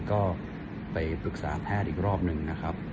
ก็ไปปรึกษาแพทย์อีกรอบหนึ่งนะครับ